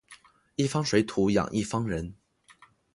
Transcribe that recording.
一方水土养一方人